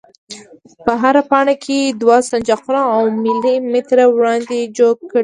په هره پاڼه کې دوه سنجاقونه او ملي متره وړاندې چوګ کړئ.